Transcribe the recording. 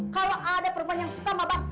kalau ada perempuan yang suka maaf bang